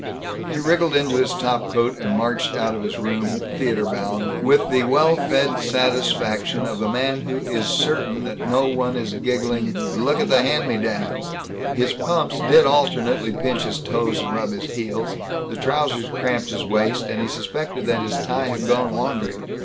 He wriggled into his top coat and marched out of his room, theater bound, with the well fed satisfaction of a man who is certain that no one is giggling, "Look at the hand me downs." His pumps did alternately pinch his toes and rub his heels; the trousers cramped his waist; and he suspected that his tie had gone wandering.